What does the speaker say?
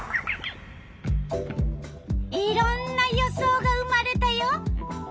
いろんな予想が生まれたよ。